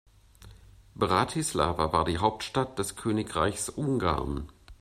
Bratislava war die Hauptstadt des Königreichs Ungarn.